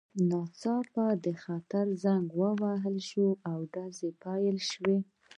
ناڅاپه د خطر زنګ ووهل شو او ډزې پیل شوې